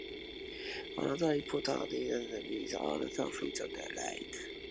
Another important indicator is order fulfillment rate.